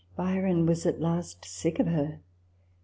Byron at last was sick of her.